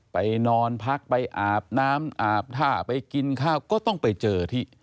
ไปนอนพักไปอาบน้ำอาบท่าไปกินข้าวก็ต้องไปเจอที่